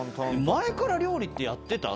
前から料理ってやってた？